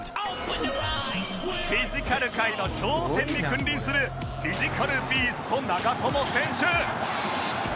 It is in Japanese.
フィジカル界の頂点に君臨するフィジカルビースト長友選手